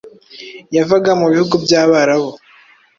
yavaga mu bihugu by’abarabu